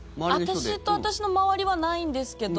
私と私の周りはないんですけど